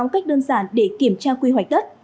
một cách đơn giản để kiểm tra quy hoạch đất